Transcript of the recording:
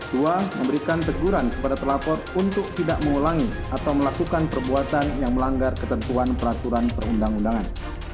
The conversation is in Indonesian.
dua memberikan teguran kepada telapor untuk tidak mengulangi atau melakukan perbuatan yang melanggar ketentuan peraturan perundang undangan